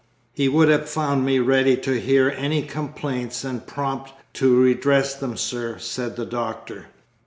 "He would have found me ready to hear any complaints and prompt to redress them, sir," said the Doctor.